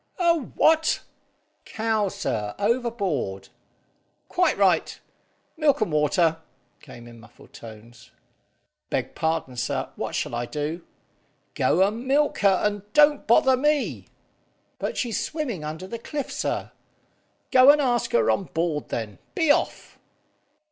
"A what?" "Cow, sir, overboard." "Quite right. Milk and water," came in muffled tones. "Beg pardon, sir, what shall I do?" "Go and milk her, and don't bother me." "But she's swimming under the cliff, sir." "Go and ask her on board, then. Be off!"